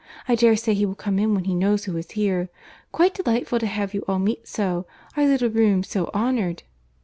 I dare say he will come in when he knows who is here. Quite delightful to have you all meet so!—Our little room so honoured!"